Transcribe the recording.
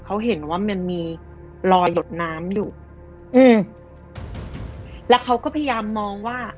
เขาเห็นว่ามันมีรอยหลดน้ำอยู่อืมแล้วเขาก็พยายามมองว่า